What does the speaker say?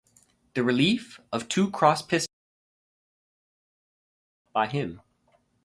The relief of two crossed pistols above the gate was installed by him.